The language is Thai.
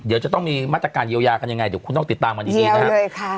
เดี๋ยวจะต้องมีมาตรการเยียวยากันยังไงเดี๋ยวคุณต้องติดตามกันดีนะครับ